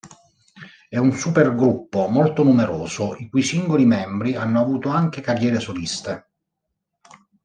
È un supergruppo molto numeroso, i cui singoli membri hanno avuto anche carriere soliste.